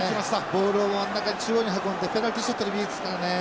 ボールを真ん中に中央に運んでペナルティーショットでもいいですからね。